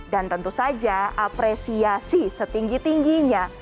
dan tentu saja apresiasi setinggi tingginya